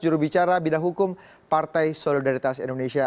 jurubicara bidang hukum partai solidaritas indonesia